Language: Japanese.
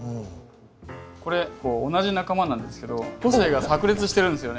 これ同じ仲間なんですけど個性がさく裂してるんですよね。